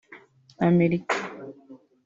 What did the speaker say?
Amerika